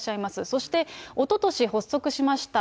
そしておととし発足しました